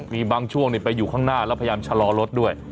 มีบางช่วงไปอยู่ข้างหน้าแล้วพยายามชะลอรถด้วย